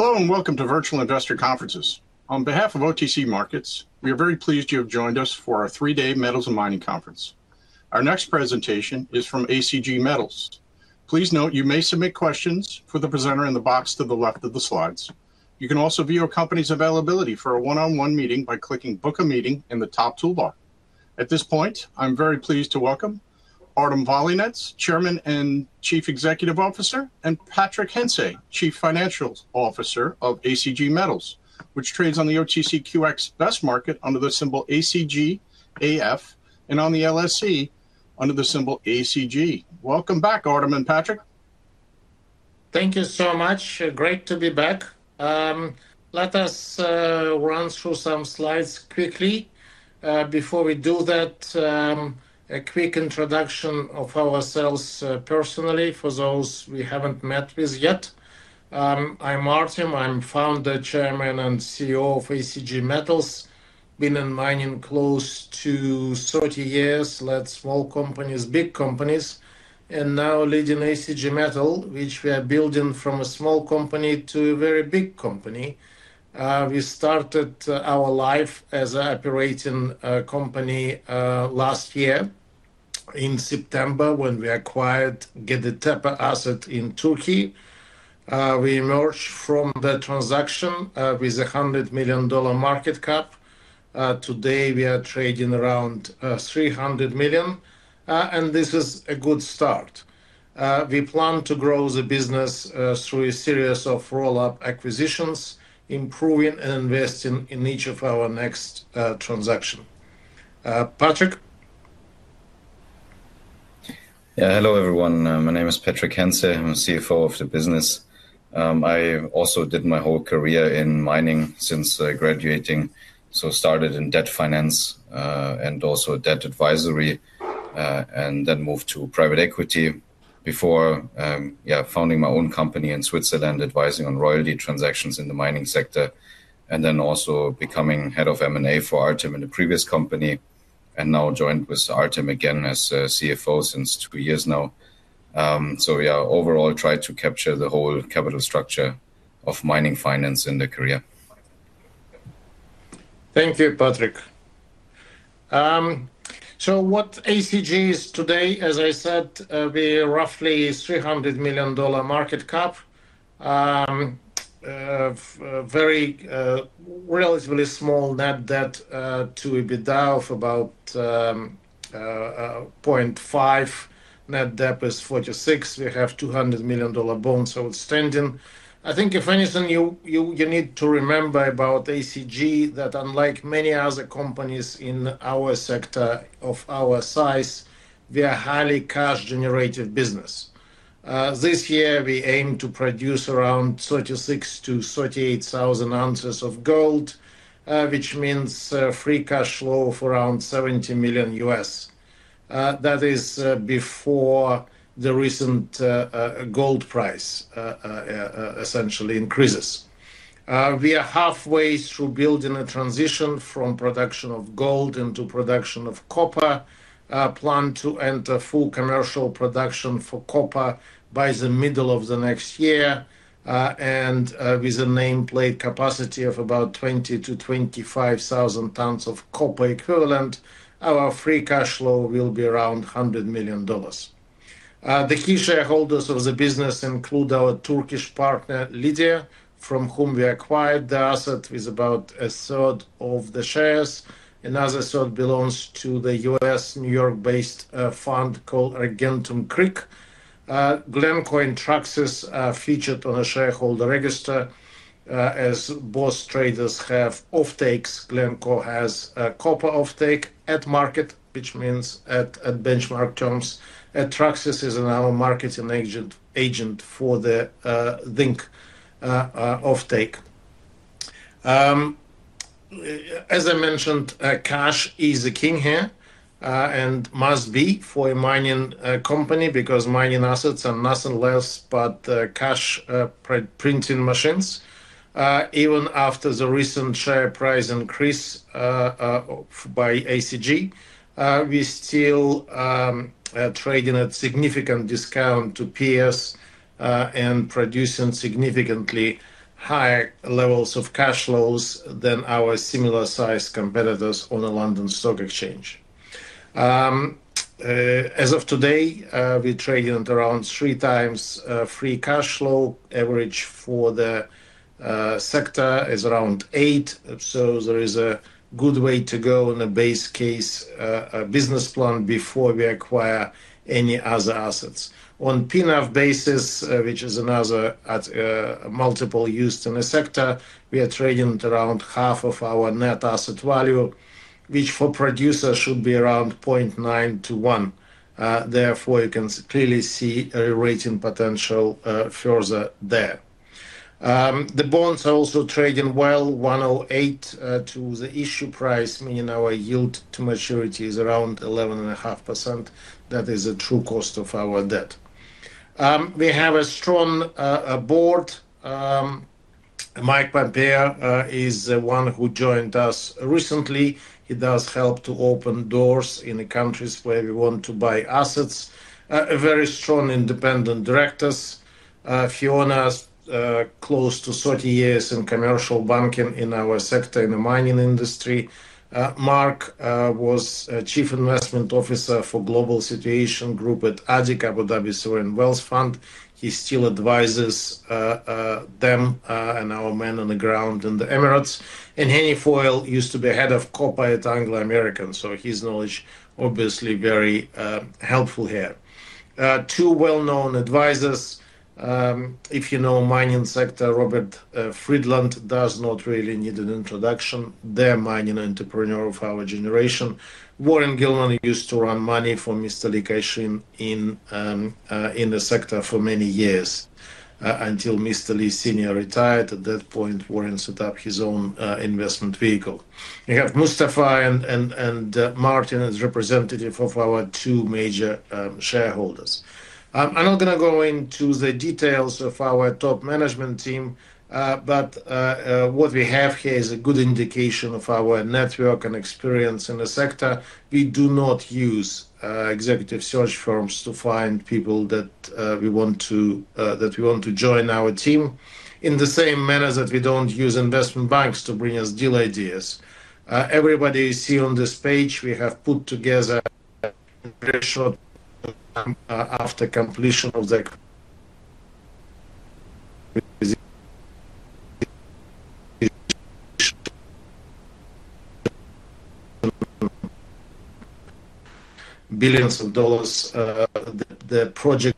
Hello, and welcome to Virtual Industrial Conferences. On behalf of OTC Markets, we are very pleased you have joined us for our three-day Metals and Mining Conference. Our next presentation is from ACG Metals. Please note, you may submit questions for the presenter in the box to the left of the slides. You can also view a company's availability for a one-on-one meeting by clicking, Book a Meeting in the top toolbar. At this point, I'm very pleased to welcome, Artem Volynets, Chairman and Chief Executive Officer, and Patrick Henze, Chief Financial Officer of ACG Metals, which trades on the OTCQX Best Market under the symbol ACGAF and on the LSE, under the symbol ACG. Welcome back, Artem and Patrick. Thank you so much. Great to be back. Let us run through some slides quickly. Before we do that, a quick introduction of ourselves personally for those we haven't met with yet. I'm Artem. I'm Founder, Chairman, and CEO of ACG Metals. Been in mining close to 30 years, led small companies, big companies, and now leading ACG Metals, which we are building from a small company to a very big company. We started our life as an operating company last year in September when we acquired Gediktepe Assets in Turkey. We emerged from that transaction with a $100 million market cap. Today, we are trading around $300 million, and this is a good start. We plan to grow the business through a series of roll-up acquisitions, improving and investing in each of our next transactions. Patrick? Hello everyone. My name is Patrick Henze. I'm the CFO of the business. I also did my whole career in mining since graduating. Started in debt finance and also debt advisory, and then moved to private equity before founding my own company in Switzerland, advising on royalty transactions in the mining sector and then also becoming Head of M&A for Artem in the previous company. Now joined with Artem again as CFO since two years now. Overall, tried to capture the whole capital structure of mining finance in the career. Thank you, Patrick. What ACG is today, as I said, we are roughly a $300 million market cap, very relatively small net debt to EBITDA of about 0.5. Net debt is $46 million. We have $200 million bonds outstanding. I think if anything, you need to remember about ACG, is that unlike many other companies in our sector of our size, we are a highly cash-generating business. This year, we aim to produce around 36,000 oz-38,000 oz of gold, which means free cash flow of around $70 million. That is before the recent gold price essentially increases. We are halfway through building a transition from production of gold into production of copper. Plan to enter full commercial production for copper by the middle of next year, and with a nameplate capacity of about 20,000 t-25,000 t of copper equivalent. Our free cash flow will be around $100 million. The key shareholders of the business include our Turkish partner, Lidya, from whom we acquired the asset with about 1/3 of the shares. Another third belongs to the U.S. New York-based fund called Argentem Creek. Glencore and Traxys are featured on a shareholder register. As both traders have offtakes, Glencore has a copper offtake at market, which means at benchmark terms. Traxys is another marketing agent for the zinc offtake. As I mentioned, cash is the king here and must be for a mining company because mining assets are nothing less, but cash printing machines. Even after the recent share price increase by ACG, we're still trading at a significant discount to peers and producing significantly higher levels of cash flows than our similar size competitors on the London Stock Exchange. As of today, we're trading at around 3x free cash flow. Average for the sector is around eight, so there is a good way to go in a base case business plan before we acquire any other assets. On a P&F basis, which is another multiple used in the sector, we are trading at around half of our net asset value, which for producers should be around 0.9 to one. Therefore, you can clearly see a rating potential further there. The bonds are also trading well, 1.08 to the issue price, meaning our yield to maturity is around 11.5%. That is the true cost of our debt. We have a strong board. Mike Pompeo is the one who joined us recently. He does help to open doors in the countries where we want to buy assets. Very strong independent directors. Fiona is close to 30 years in commercial banking in our sector in the mining industry. Mark was a Chief Investment Officer for Global Situation Group at Abu Dhabi. He still advises them and our men on the ground in the Emirates. Hennie Faul used to be the head of Copper at Anglo American, so his knowledge is obviously very helpful here. Two well-known advisors. If you know the mining sector, Robert Friedland does not really need an introduction. They're a mining entrepreneur of our generation. Warren Gilman used to run money for Mr. Lee Cashin in the sector for many years until Mr. Lee Sr. retired. At that point, Warren set up his own investment vehicle. You have Mustafa and Martin as representatives of our two major shareholders. I'm not going to go into the details of our top management team, but what we have here is a good indication of our network and experience in the sector. We do not use executive search firms to find people that we want to join our team, in the same manner that we don't use investment banks to bring us deal ideas. Everybody you see on this page, we have put together after completion of the billions of dollars. The project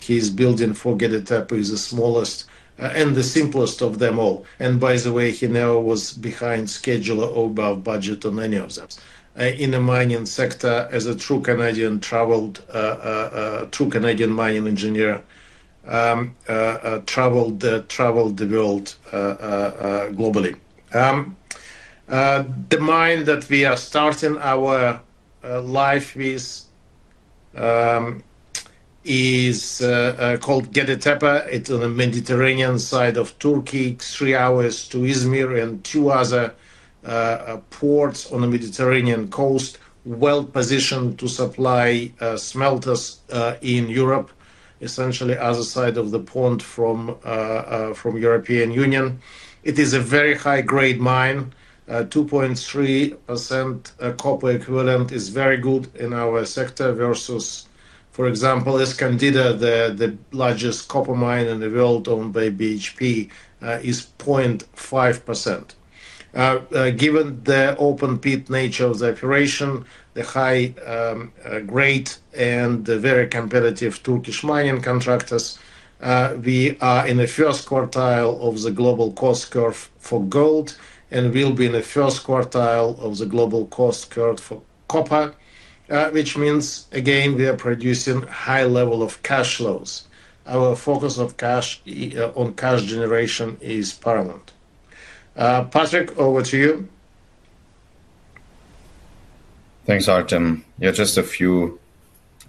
he's building for Gediktepe is the smallest and the simplest of them all. By the way, he now was behind schedule or over budget on many of them. In the mining sector, as a true Canadian mining engineer, traveled the world globally. The mine that we are starting our life with is called Gediktepe. It's on the Mediterranean side of Turkey, three hours to Izmir and two other ports on the Mediterranean coast, well positioned to supply smelters in Europe, essentially the other side of the pond from the European Union. It is a very high-grade mine. 2.3% copper equivalent is very good in our sector versus, for example, Escondida, the largest copper mine in the world owned by BHP, is 0.5%. Given the open pit nature of the operation, the high grade and the very competitive Turkish mining contractors, we are in the first quartile of the global cost curve for gold and will be in the first quartile of the global cost curve for copper, which means again we are producing a high level of cash flows. Our focus on cash generation is paramount. Patrick, over to you. Thanks, Artem. Yeah, just a few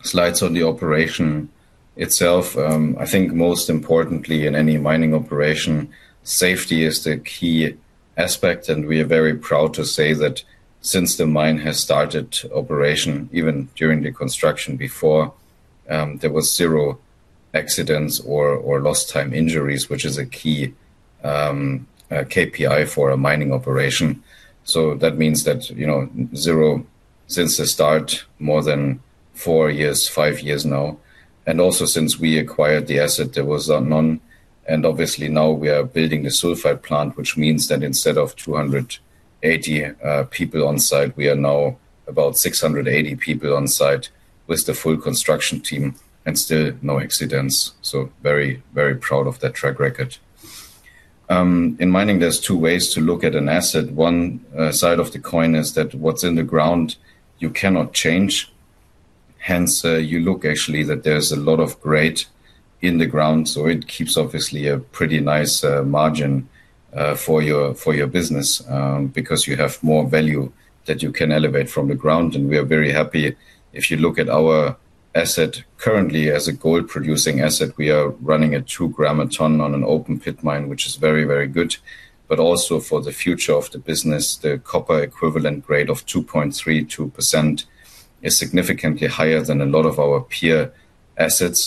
slides on the operation itself. I think most importantly in any mining operation, safety is the key aspect. We are very proud to say that since the mine has started operation, even during the construction before, there were zero accidents or lost time injuries, which is a key KPI for a mining operation. That means, zero since the start, more than four years, five years now. Also, since we acquired the asset, there was none. Obviously, now we are building the sulfide plant, which means that instead of 280 people on site, we are now about 680 people on site, with the full construction team and still no accidents. Very, very proud of that track record. In mining, there are two ways to look at an asset. One side of the coin is that, what's in the ground, you cannot change. Hence, you look actually that there's a lot of [grade] in the ground, so it keeps obviously a pretty nice margin for your business because you have more value that you can elevate from the ground. We are very happy. If you look at our asset currently as a gold-producing asset, we are running at 2 g a ton on an open-pit mine, which is very, very good. Also, for the future of the business, the copper equivalent grade of 2.32% is significantly higher than a lot of our peer assets,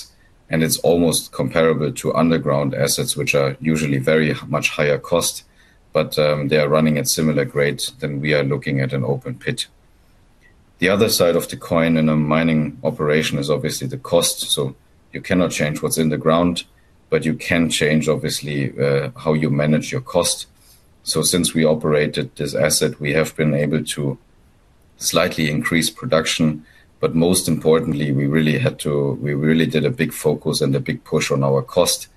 and it's almost comparable to underground assets which are usually very much higher cost, but they are running at similar grades than we are looking at an open pit. The other side of the coin in a mining operation is obviously the cost. You cannot change what's in the ground, but you can change obviously how you manage your cost. Since we operated this asset, we have been able to slightly increase production, but most importantly, we really did a big focus and a big push on our cost.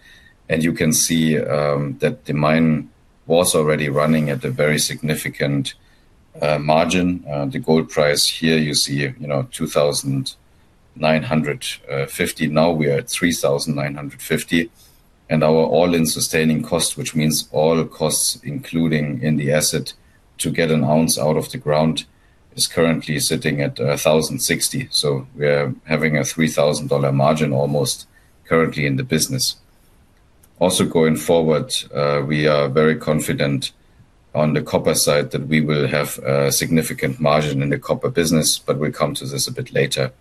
You can see that the mine was already running at a very significant margin. The gold price here, you see, $2,950. Now we are at $3,950. Our all-in sustaining cost, which means all costs including in the asset to get an ounce out of the ground, is currently sitting at $1,060. We're having a $3,000 margin almost currently in the business. Also, going forward, we are very confident on the copper side that we will have a significant margin in the copper business, but we'll come to this a bit later.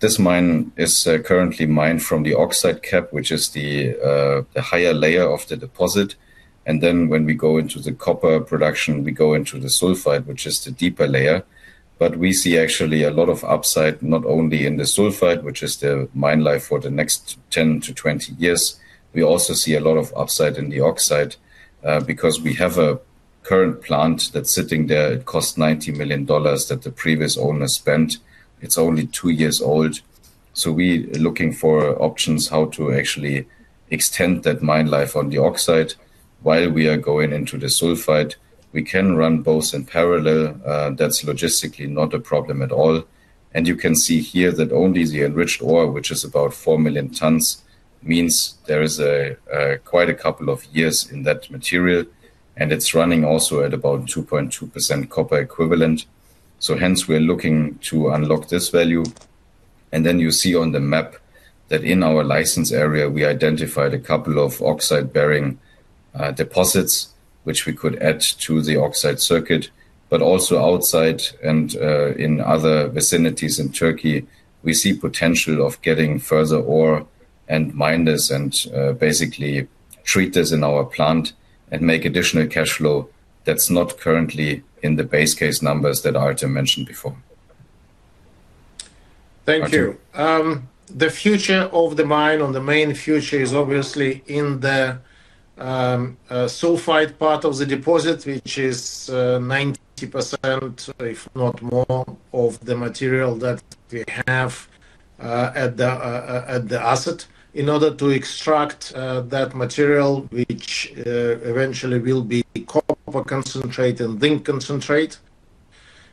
This mine is currently mined from the oxide cap, which is the higher layer of the deposit. When we go into the copper production, we go into the sulfide, which is the deeper layer. We see actually a lot of upside, not only in the sulfide, which is the mine life for the next 10 years-20 years. We also see a lot of upside in the oxide because we have a current plant that's sitting there. It costs $90 million that the previous owner spent. It's only two years old. We are looking for options, how to actually extend that mine life on the oxide while we are going into the sulfide. We can run both in parallel. That's logistically not a problem at all. You can see here that only the enriched ore, which is about 4 million t, means there is quite a couple of years in that material and it's running also at about 2.2% copper equivalent. Hence, we're looking to unlock this value. You see on the map that in our license area, we identified a couple of oxide-bearing deposits which we could add to the oxide circuit. Also, outside and in other vicinities in Turkey, we see potential of getting further ore and mine this, and basically treat this in our plant and make additional cash flow that's not currently in the base case numbers that Artem mentioned before. Artem. Thank you. The future of the mine and the main future, is obviously in the sulfide part of the deposit, which is 90%, if not more, of the material that we have at the asset. In order to extract that material, which eventually will be copper concentrate and zinc concentrate,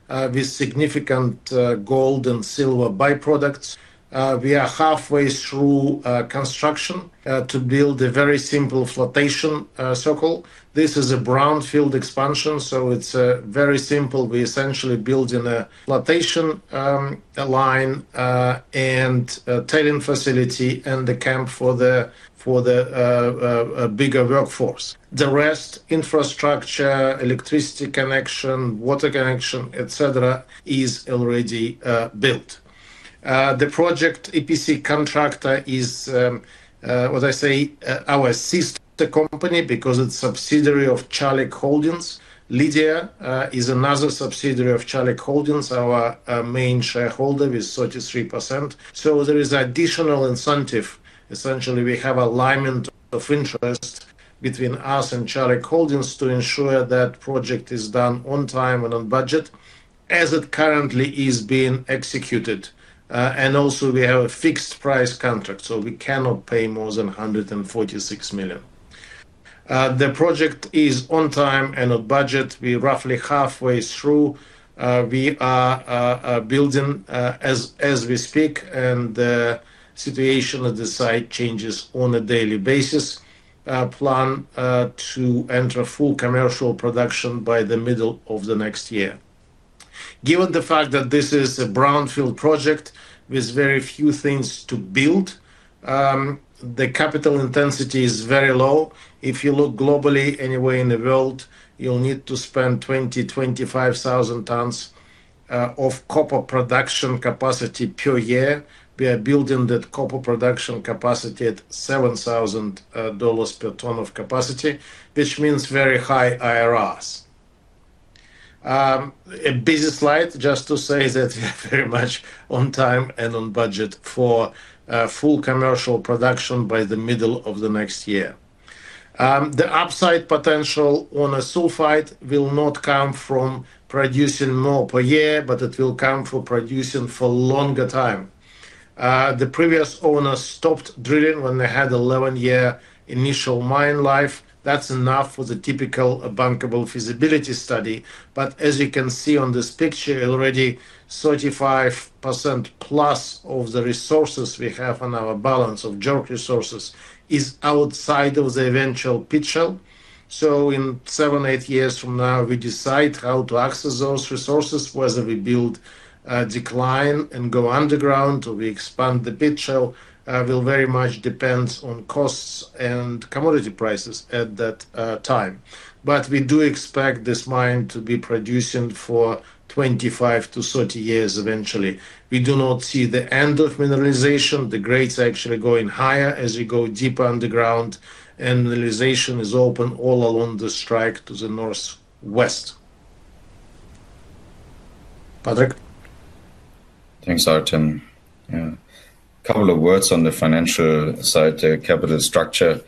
with significant gold and silver byproducts, we are halfway through construction to build a very simple flotation circle. This is a brownfield expansion, so it's very simple. We are essentially building a flotation line and a tailing facility, and the camp for the bigger workforce. The rest, infrastructure, electricity connection, water connection, etc, is already built. The project EPC contractor is, what I say, our sister company because it's a subsidiary of Çalık Holdings. Lidya is another subsidiary of Çalık Holdings, our main shareholder with 33%. There is an additional incentive. Essentially, we have alignment of interest between us and Çalık Holdings, to ensure that the project is done on time and on budget, as it currently is being executed. Also, we have a fixed price contract, so we cannot pay more than $146 million. The project is on time and on budget. We're roughly halfway through. We are building as we speak, and the situation at the site changes on a daily basis. I plan to enter full commercial production by the middle of next year. Given the fact that this is a brownfield project with very few things to build, the capital intensity is very low. If you look globally anywhere in the world, you'll need to spend 20,000 t, 25,000 t of copper production capacity per year. We are building that copper production capacity at $7,000 per ton of capacity, which means very high IRRs. A busy slide, just to say that we are very much on time and on budget for full commercial production by the middle of next year. The upside potential on the sulfide will not come from producing more per year, but it will come from producing for a longer time. The previous owners stopped drilling when they had an 11-year initial mine life. That's enough for the typical bankable feasibility study. As you can see on this picture, already 35%+ of the resources we have on our balance of JORC resources, is outside of the eventual pit shell. In seven or eight years from now, we decide how to access those resources, whether we build a decline and go underground or we expand the pit shell. It will very much depend on costs and commodity prices at that time. We do expect this mine to be producing for 25 years-30 years eventually. We do not see the end of mineralization. The grade is actually going higher as you go deeper underground, and mineralization is open all along the strike to the northwest. Patrick? Thanks, Artem. Yeah, a couple of words on the financial side, the capital structure.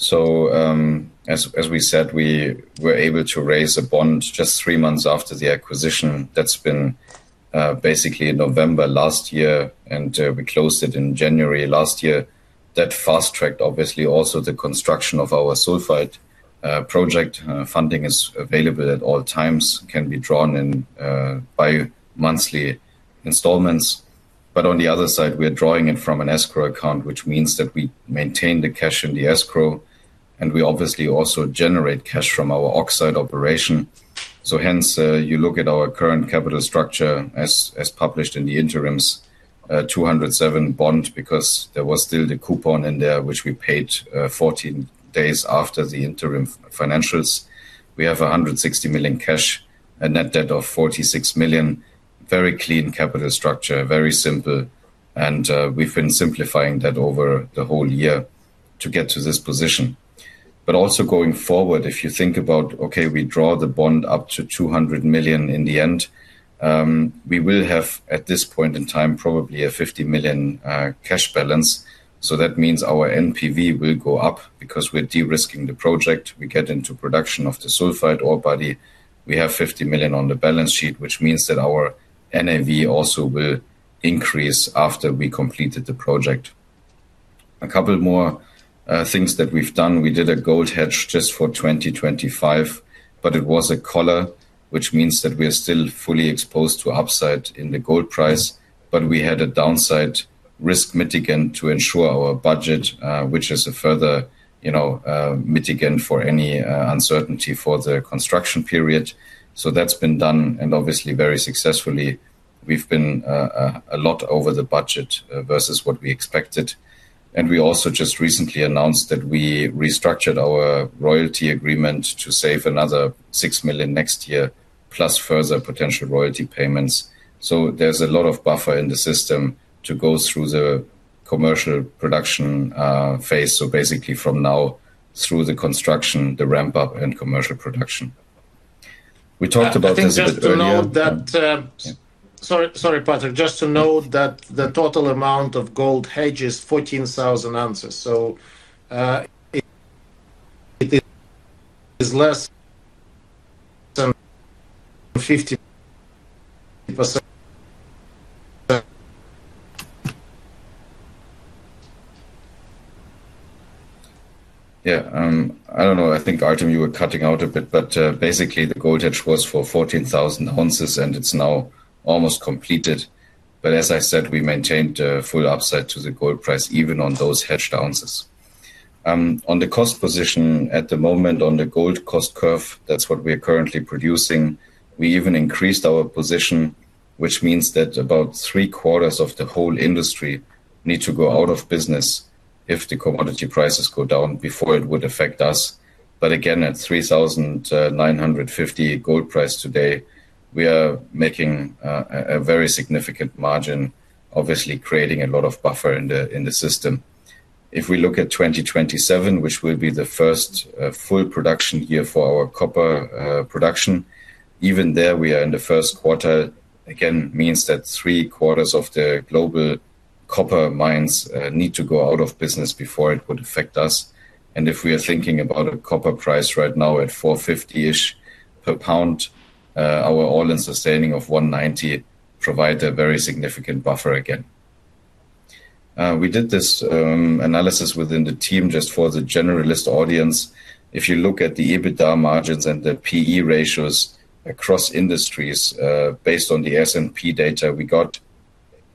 As we said, we were able to raise a bond just three months after the acquisition. That's been basically in November last year, and we closed it in January last year. That fast-tracked obviously also the construction of our sulfide project. Funding is available at all times, can be drawn in bi-monthly installments. On the other side, we're drawing it from an escrow account, which means that we maintain the cash in the escrow and we obviously also generate cash from our oxide operation. Hence, you look at our current capital structure as published in the interims, a $207 million bond because there was still the coupon in there which we paid 14 days after the interim financials. We have $160 million cash, a net debt of $46 million. Very clean capital structure, very simple, and we've been simplifying that over the whole year to get to this position. Also, going forward, if you think about, okay, we draw the bond up to $200 million in the end, we will have at this point in time, probably a $50 million cash balance. That means our NPV will go up because we're de-risking the project. We get into production of the sulfide ore body. We have $50 million on the balance sheet, which means that our NAV also will increase after we complete the project. A couple more things that we've done, we did a gold hedge just for 2025, but it was a collar, which means that we're still fully exposed to upside in the gold price. We had a downside risk mitigant to ensure our budget, which is a further mitigant for any uncertainty for the construction period. That's been done and obviously very successfully. We've been a lot over the budget versus what we expected. We also just recently announced that we restructured our royalty agreement to save another $6 million next year, plus further potential royalty payments. There's a lot of buffer in the system to go through the commercial production phase, so basically from now through the construction, the ramp-up, and commercial production. We talked about this a bit earlier. Sorry, Patrick. Just to note that the total amount of gold hedge is 14,000 oz. It is less than 50%. Yeah, I don't know. I think, Artem, you were cutting out a bit, but basically the gold hedge was for 14,000 oz, and it's now almost completed. As I said, we maintained the full upside to the gold price even on those hedged ounces. On the cost position at the moment on the gold cost curve, that's what we're currently producing. We even increased our position, which means that about 3/4 of the whole industry need to go out of business if the commodity prices go down before it would affect us. Again, at $3,950 gold price today, we are making a very significant margin, obviously creating a lot of buffer in the system. If we look at 2027, which will be the first full production year for our copper production, even there we are in the first quarter. Again, means that 3/4 of the global copper mines need to go out of business before it would affect us. If we are thinking about a copper price right now at $4.50-ish per pound, our all-in sustaining of $1.90 provides a very significant buffer again. We did this analysis within the team, just for the generalist audience. If you look at the EBITDA margins and the P/E ratios across industries based on the S&P data we got,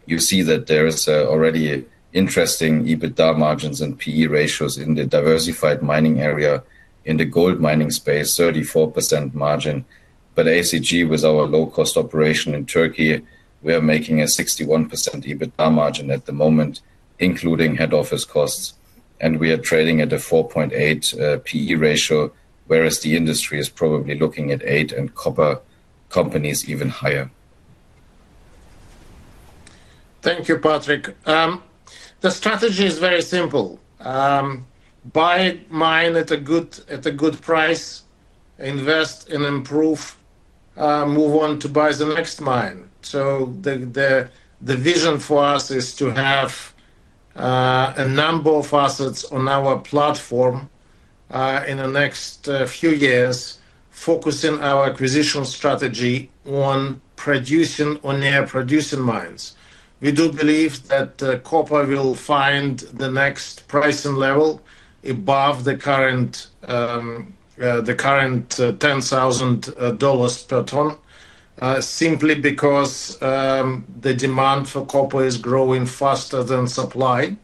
you see that there is already interesting EBITDA margins and P/E ratios in the diversified mining area. In the gold mining space, 34% margin. ACG, with our low-cost operation in Turkey, we are making a 61% EBITDA margin at the moment, including head office costs. We are trailing at a 4.8 P/E ratio, whereas the industry is probably looking at eight and copper companies even higher. Thank you, Patrick. The strategy is very simple. Buy a mine at a good price, invest and improve, move on to buy the next mine. The vision for us is to have a number of assets on our platform in the next few years, focusing our acquisition strategy on producing or near-producing mines. We do believe that copper will find the next pricing level above the current $10,000 per ton, simply because the demand for copper is growing faster than supply,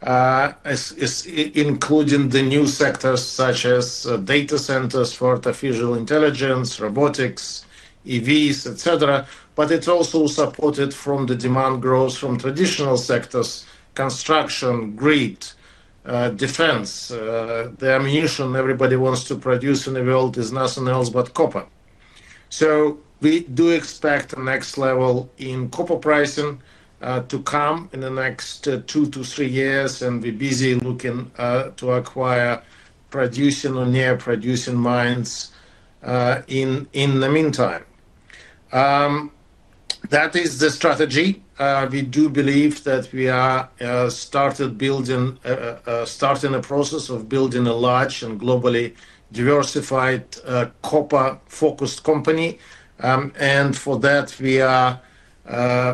including the new sectors such as data centers for artificial intelligence, robotics, EVs, etc. It is also supported from the demand growth from traditional sectors, construction, grid, defense. The ammunition everybody wants to produce in the world is nothing else but copper. We do expect the next level in copper pricing to come in the next two to three years, and we're busy looking to acquire producing or near-producing mines in the meantime. That is the strategy. We do believe that we are starting a process of building a large and globally diversified copper-focused company. For that, we are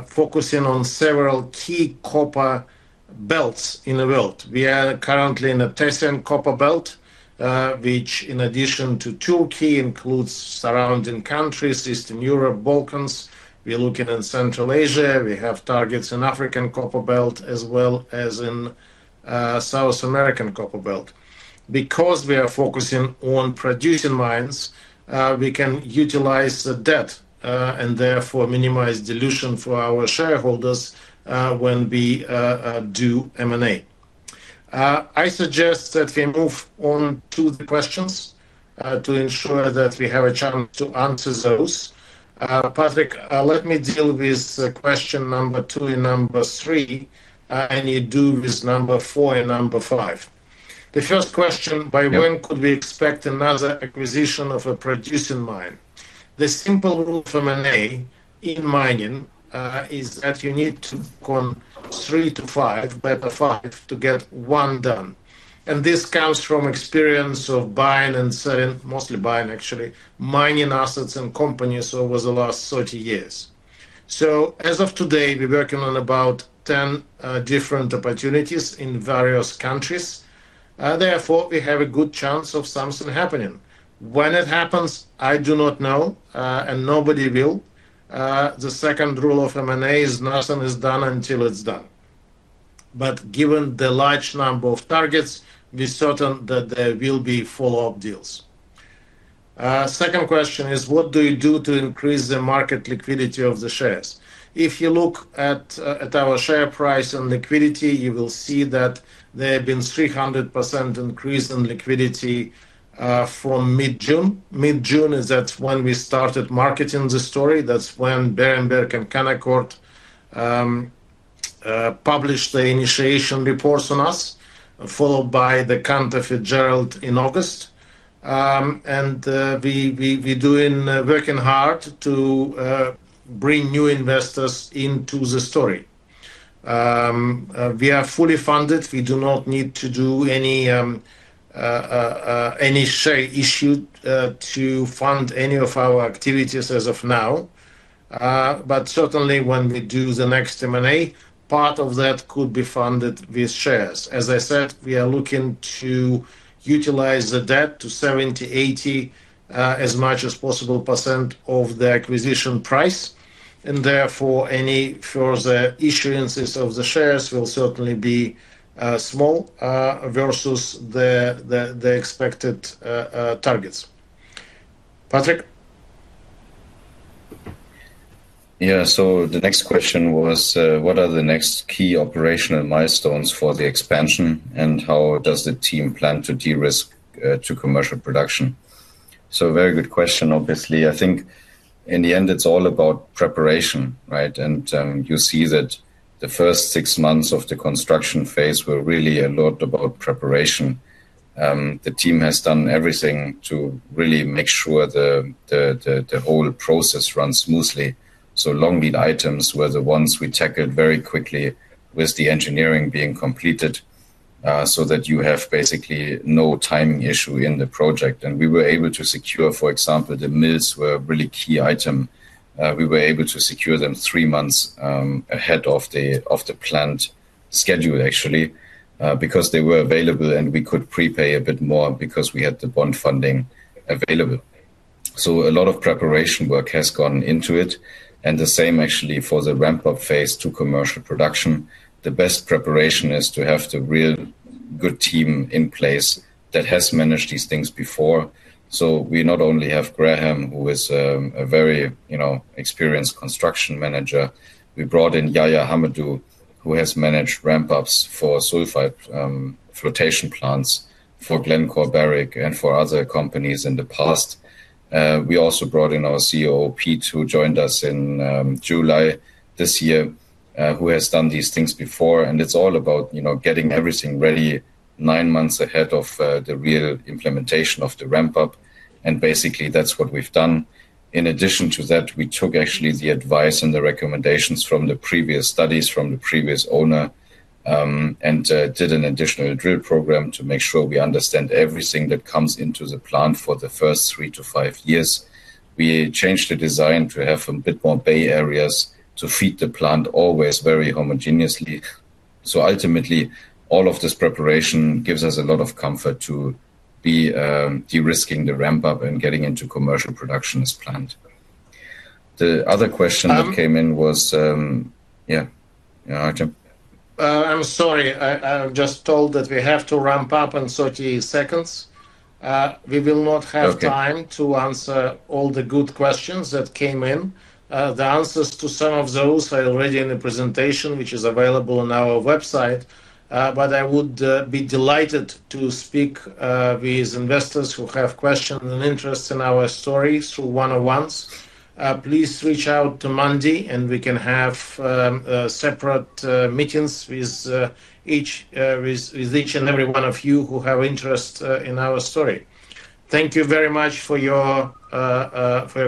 focusing on several key copper belts in the world. We are currently in a [Tessian] copper belt, which in addition to Turkey, includes surrounding countries, Eastern Europe, Balkans. We're looking in Central Asia. We have targets in the African copper belt as well as in the South American copper belt. We are focusing on producing mines, we can utilize the debt and therefore minimize dilution for our shareholders when we do M&A. I suggest that we move on to the questions, to ensure that we have a chance to answer those. Patrick, let me deal with question number two and number three, and you deal with number four and number five. The first question, by when could we expect another acquisition of a producing mine? The simple rule for M&A in mining is that you need to three to five, better five, to get one done. This comes from experience of buying and selling, mostly buying actually, mining assets and companies over the last 30 years. As of today, we're working on about 10 different opportunities in various countries. Therefore, we have a good chance of something happening. When it happens, I do not know and nobody will. The second rule of M&A is, nothing is done until it's done. Given the large number of targets, we're certain that there will be follow-up deals. Second question is, what do you do to increase the market liquidity of the shares? If you look at our share price and liquidity, you will see that there has been a 300% increase in liquidity from mid-June. Mid-June is when we started marketing the story. That's when Berenberg and Canaccord published the initiation reports on us, followed by the Cantor of Fitzgerald in August. We are working hard to bring new investors into the story. We are fully funded. We do not need to do any share issue to fund any of our activities as of now. Certainly, when we do the next M&A, part of that could be funded with shares. As I said, we are looking to utilize the debt to 70%, 80% as much as possible of the acquisition price. Therefore, any further issuances of the shares will certainly be small versus the expected targets. Patrick? Yeah, so the next question was, what are the next key operational milestones for the expansion, and how does the team plan to de-risk to commercial production? A very good question, obviously. I think in the end, it's all about preparation, right? You see that the first six months of the construction phase were really a lot about preparation. The team has done everything to really make sure the whole process runs smoothly. Long lead items were the ones we tackled very quickly, with the engineering being completed so that you have basically no timing issue in the project. We were able to secure, for example, the mills, which were a really key item. We were able to secure them three months ahead of the planned schedule actually, because they were available and we could prepay a bit more because we had the bond funding available. A lot of preparation work has gone into it. The same actually for the ramp-up phase to commercial production. The best preparation is to have the real good team in place that has managed these things before. We not only have Graeme, who is a very experienced Construction Manager, we brought in [Yaya Hamadou], who has managed ramp-ups for sulfide flotation plants for Glencore, Barrick, and for other companies in the past. We also brought in our COO, Pete, who joined us in July this year, who has done these things before. It's all about getting everything ready nine months ahead of the real implementation of the ramp-up. Basically, that's what we've done. In addition to that, we took actually the advice and the recommendations from the previous studies, from the previous owner and did an additional drill program to make sure we understand everything that comes into the plant for the first three to five years. We changed the design to have a bit more bay areas, to feed the plant always very homogeneously. Ultimately, all of this preparation gives us a lot of comfort to be de-risking the ramp-up and getting into commercial production as planned. The other question that came in was, yeah, yeah, Artem. I'm sorry, I'm just told that we have to ramp up in 30 seconds. We will not have time to answer all the good questions that came in. The answers to some of those are already in the presentation, which is available on our website. I would be delighted to speak with investors who have questions and interests in our story through one-on-ones. Please reach out to Mandy, and we can have separate meetings with each and every one of you who have interest in our story. Thank you very much for your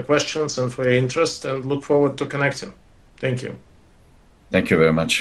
questions and for your interest, and look forward to connecting. Thank you. Thank you very much.